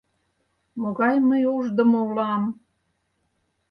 Могай мый ушдымо улам!